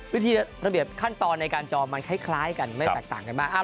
วิธีระเบียบขั้นตอนในการจองมันคล้ายกันไม่แตกต่างกันมาก